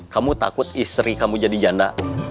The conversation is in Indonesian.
kamu takut istri kamu jadi janda